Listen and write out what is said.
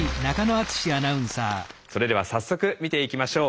それでは早速見ていきましょう。